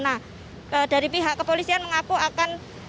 nah dari pihak kepolisian mengaku akan